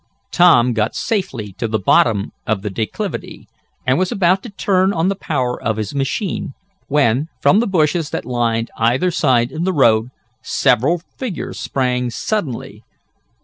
Tom got safely to the bottom of the declivity, and was about to turn on the power of his machine, when, from the bushes that lined either side of the roadway, several figures sprang suddenly.